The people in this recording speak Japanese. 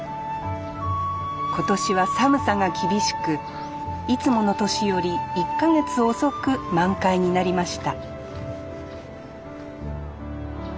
今年は寒さが厳しくいつもの年より１か月遅く満開になりました